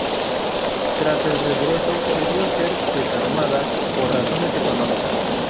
Tras el regreso debió ser desarmada por razones económicas.